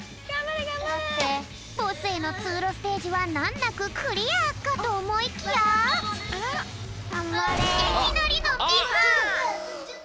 ボスへのつうろステージはなんなくクリアかとおもいきやいきなりのミス！